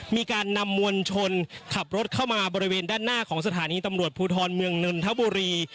มีการนำมวลชนขับรถเข้ามาบริเวณด้านหน้าของสถานีตำรวจภูทรเมืองนนทบุรี